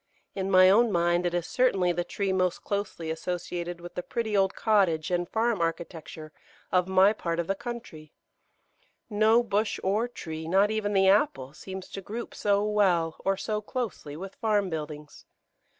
In my own mind it is certainly the tree most closely associated with the pretty old cottage and farm architecture of my part of the country; no bush or tree, not even the apple, seems to group so well or so closely with farm buildings.